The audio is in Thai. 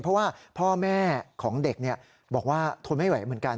เพราะว่าพ่อแม่ของเด็กบอกว่าทนไม่ไหวเหมือนกัน